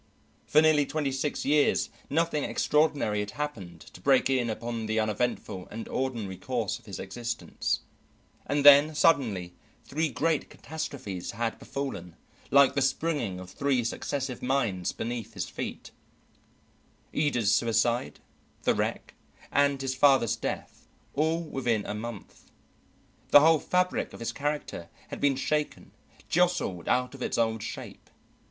For nearly twenty six years nothing extraordinary had happened to break in upon the uneventful and ordinary course of his existence, and then, suddenly, three great catastrophes had befallen, like the springing of three successive mines beneath his feet: Ida's suicide, the wreck, and his father's death, all within a month. The whole fabric of his character had been shaken, jostled out of its old shape.